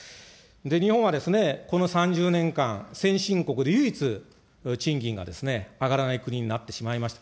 日本はこの３０年間、先進国で唯一、賃金が上がらない国になってしまいました。